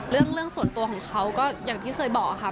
เรื่องส่วนตัวของเขาก็อย่างที่เคยบอกค่ะ